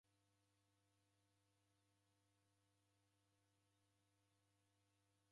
Kwaw'eenda mbuw'enyi kulima na kuw'a mapemba.